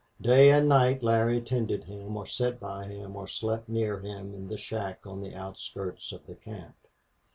Day and night Larry tended him or sat by him or slept near him in a shack on the outskirts of the camp.